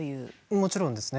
もちろんですね。